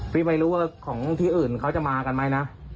พี่ไม่รู้ว่าของประโยชน์อื่นเขาจะมากันไหมนะ